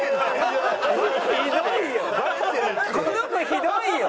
ひどいよ。